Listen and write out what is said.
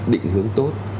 định hướng tốt